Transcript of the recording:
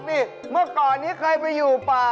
นี่เมื่อก่อนนี้เคยไปอยู่ป่า